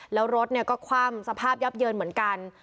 แล้วรถก็คว่ำสภาพยับเยินเหมือนกัน